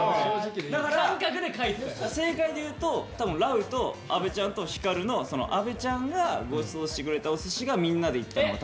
正解でいうとラウと阿部ちゃんと照の阿部ちゃんがごちそうしてくれたお寿司がみんなで行ったのが多分。